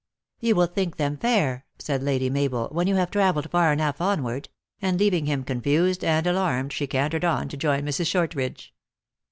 "You will think them fair," said Lady Mabel, " when you have traveled far enough onward," and, leaving him confused and alarmed, she cantered on to join Mrs. Shortridge.